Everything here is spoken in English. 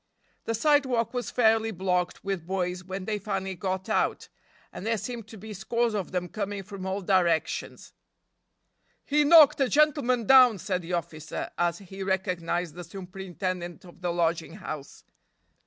The sidewalk was fairly blocked with boys when they finally got out, and there seemed to be scores of them coming from all directions. "He knocked a gentleman down," said the officer, as he recognized the superintendent of the lodging house.